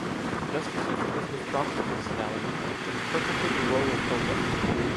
Just as if it was with Trancas personality, it interpreted the role of Ho-ho.